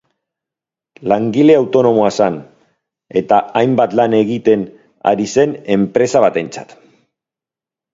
Langilea autonomoa zen, eta hainbat lan egiten ari zen enpresa batentzat.